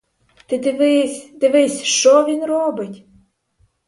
Ти дивись, дивись, що він робить?